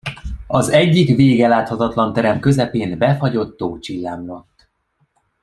Az egyik végeláthatatlan terem közepén befagyott tó csillámlott.